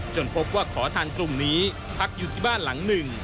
พบว่าขอทานกลุ่มนี้พักอยู่ที่บ้านหลังหนึ่ง